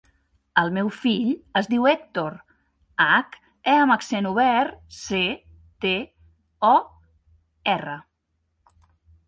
El meu fill es diu Hèctor: hac, e amb accent obert, ce, te, o, erra.